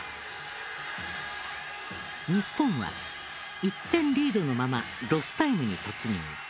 日本は１点リードのままロスタイムに突入。